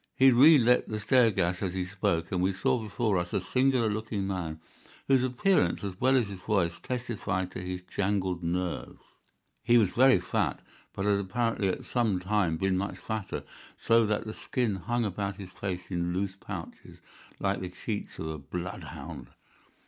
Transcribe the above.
He relit the stair gas as he spoke, and we saw before us a singular looking man, whose appearance, as well as his voice, testified to his jangled nerves. He was very fat, but had apparently at some time been much fatter, so that the skin hung about his face in loose pouches, like the cheeks of a blood hound.